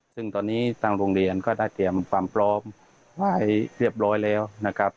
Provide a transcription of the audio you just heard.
ซึ่งตอนนี้ทางโรงเรียนก็ได้เตรียมความพร้อมไว้เรียบร้อยแล้วนะครับ